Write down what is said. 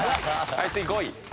第５位。